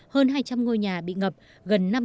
hơn hai trăm linh ngôi nhà bị thiệt hại